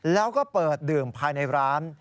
แล้วก็เปิดดื่มภายในร้าน